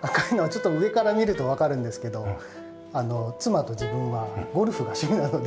赤いのはちょっと上から見るとわかるんですけど妻と自分はゴルフが趣味なので。